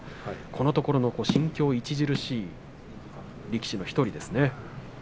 このところの進境著しい力士の１人ですね。